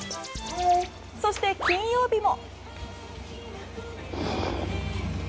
そして、金曜日も。